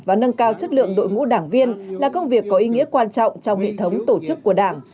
và nâng cao chất lượng đội ngũ đảng viên là công việc có ý nghĩa quan trọng trong hệ thống tổ chức của đảng